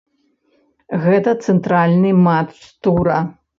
Гэта цэнтральны матч тура.